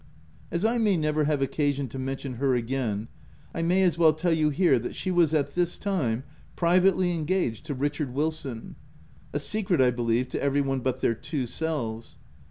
224 THE TENANT As I may never have occasion to mention her again, I may as well tell you here, that she was at this time privately engaged to Richard Wilson — a secret, I believe to every one but their two selves.